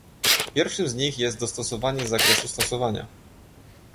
Pierwszym z nich jest dostosowanie zakresu stosowania